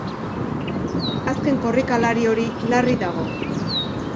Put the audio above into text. Azken korrikalari hori larri dago.